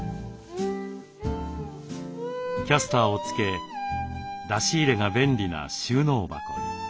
キャスターを付け出し入れが便利な収納箱に。